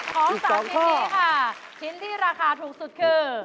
ของ๓ชิ้นนี้ค่ะชิ้นที่ราคาถูกสุดคือ